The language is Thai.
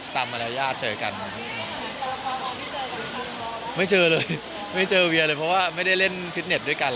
แต่เราเผื่อจริงจังนะคะ